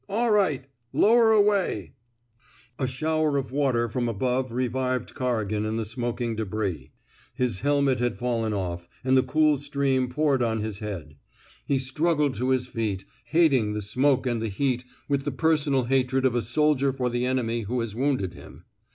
All right. Lower away." 168 COERIGAN'S PROMOTION A shower of water from above revived Oorrigan in the smokiiig debris. His hehnet had fallen off, and the cool stream poured on his head. He struggled to his feet, hating the smoke and the heat with the personal hatred of a soldier for the enemy who has wounded him.